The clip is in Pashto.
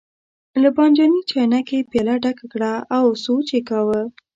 له بانجاني چاینکې یې پیاله ډکه کړه او سوچ یې کاوه.